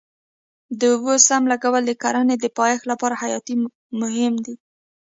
د اوبو سم لګول د کرنې د پایښت لپاره حیاتي مهم دی.